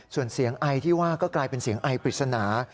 ส่วนเสียงไอที่ว่าก็กลายเป็นเสียงไอปริศนา